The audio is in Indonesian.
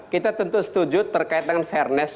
kita tentu setuju terkait dengan fairness